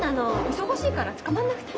忙しいからつかまんなくて。